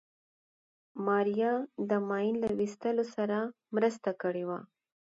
ماريا د ماين له ويستلو سره مرسته کړې وه.